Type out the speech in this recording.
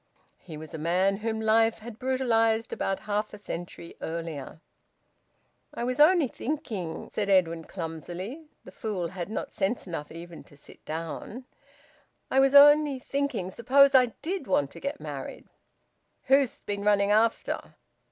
He was a man whom life had brutalised about half a century earlier. "I was only thinking," said Edwin clumsily the fool had not sense enough even to sit down "I was only thinking, suppose I did want to get married." "Who'st been running after?"